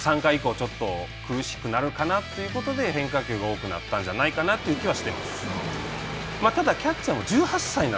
３回以降、ちょっと苦しくなるかなということで変化球が多くなったんじゃないかなっていう気はしています。